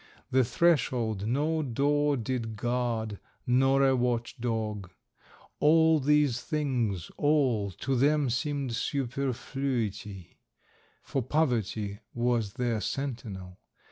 The threshold no door did guard nor a watch dog; all these things, all, to them seemed superfluity, for Poverty was their sentinel.